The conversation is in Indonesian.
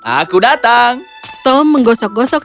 aku datang tom menggosok gosok